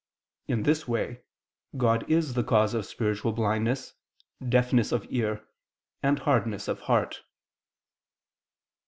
In this way, God is the cause of spiritual blindness, deafness of ear, and hardness of heart.